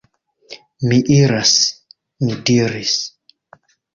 Mi iras! mi diris.